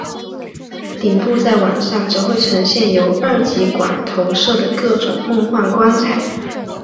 顶部在晚上则会呈现由二极管投射的各种梦幻光彩。